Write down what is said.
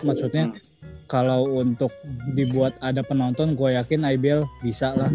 maksudnya kalau untuk dibuat ada penonton gue yakin ibl bisa lah